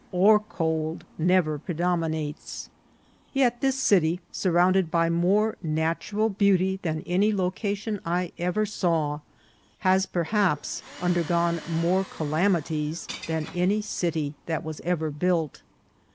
or cold never predominates ; yet this city, surrounded by more natural beauty than any location I ever saw, has perhaps undergone more calamities than any city that was ever built.